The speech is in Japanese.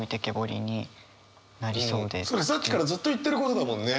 それさっきからずっと言ってることだもんね。